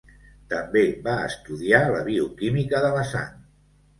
També va estudiar la bioquímica de la sang.